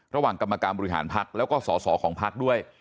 ระหว่างกรรมการบริหารพักแล้วก็สอสอของพักด้วย